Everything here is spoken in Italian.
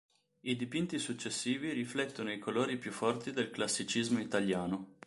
I dipinti successivi riflettono i colori più forti del classicismo italiano.